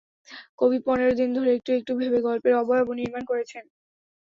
কবি পনেরো দিন ধরে একটু একটু ভেবে গল্পের অবয়ব নির্মাণ করেছেন।